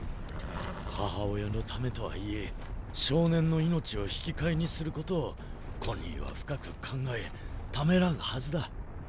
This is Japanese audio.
母親のためとはいえ少年の命を引き換えにすることをコニーは深く考えためらうはずだ。